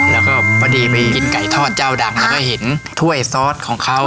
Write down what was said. แล้วก็พอดีไปกินไก่ทอดเจ้าดังแล้วก็เห็นถ้วยซอสของเขา